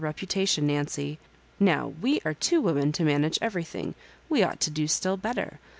reputation, Nancy. Now we are two women to 'manage everything, we ought to do still better.